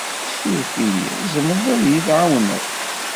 Suref-iyi, tzemreḍ ad s-d-tɛawdeḍ?